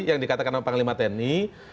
yang dikatakan pak ngelima tni